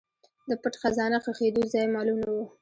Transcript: د پټ خزانه ښخېدو ځای معلوم نه و.